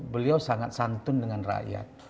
beliau sangat santun dengan rakyat